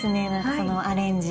そのアレンジ。